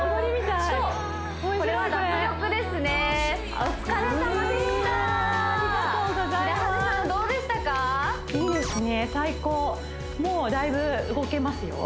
いいですね最高もうだいぶ動けますよ